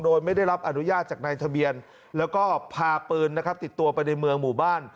โดยไม่ได้รับอนุญาตจากนายทะเบียนแล้วก็พาปืนนะครับติดตัวไปในเมืองหมู่บ้าน